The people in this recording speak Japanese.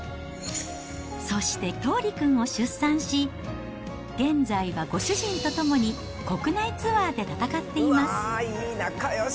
そして桃琉くんを出産し、現在はご主人と共に国内ツアーで戦っています。